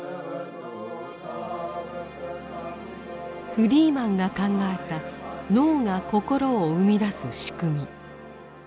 フリーマンが考えた脳が心を生み出す仕組み。